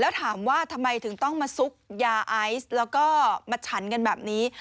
แล้วถามว่าทำไมถึงต้องมาซุกยาไอซ์แล้วก็มาฉันกันแบบนี้